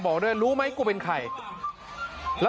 บอกว่ารู้มั้ยกูเป็นใคร